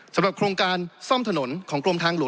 สำหรับโครงการซ่อมถนนของกรมทางหลวง